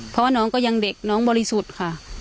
เพราะว่าน้องก็ยังเด็กน้องบริสุทธิ์ค่ะ